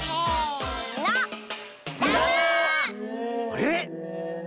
あれ？